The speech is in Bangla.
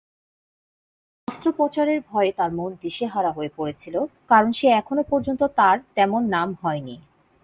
অস্ত্রোপচারের ভয়ে তার মন দিশেহারা হয়ে পড়েছিল কারণ সে এখনও পর্যন্ত তার তেমন নাম হয়নি।